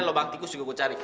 lobang tikus juga gua cari